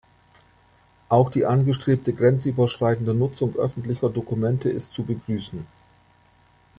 Auch die angestrebte grenzüberschreitende Nutzung öffentlicher Dokumente ist zu begrüßen.